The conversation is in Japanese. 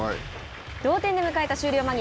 同点で迎えた終了間際。